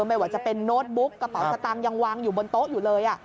ไม่ว่าจะเป็นโน้ตบุ๊กกระเป๋าสตางค์ยังวางอยู่บนโต๊ะอยู่เลย